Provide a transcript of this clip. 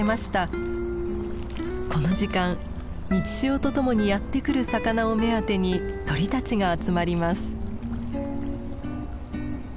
この時間満ち潮とともにやって来る魚を目当てに鳥たちが集まります。